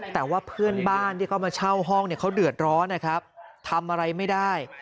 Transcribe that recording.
แต่ว่าเพื่อนบ้านที่เขามาเช่าห้องเนี่ยเขาเดือดร้อนนะครับทำอะไรไม่ได้